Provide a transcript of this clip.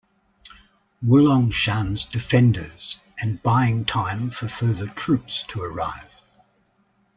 Wulongshan's defenders and buying time for further troops to arrive.